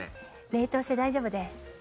冷凍して大丈夫です。